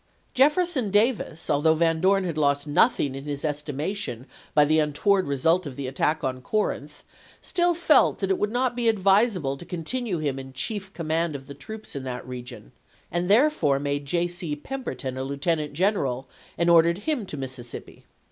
Jefferson Davis, although Yan Dorn had lost nothing in his estimation by the untoward result of the attack on Corinth, still felt that it would not be advisable to continue him in chief command of the troops in that region, and therefore made J. C. Pemberton a lieutenant general and ordered him to Mississippi.